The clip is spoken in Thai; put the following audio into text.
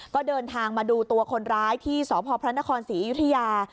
ก็เดินทางมาดูตัวคนร้ายที่สพพระนครศรีอยุธยา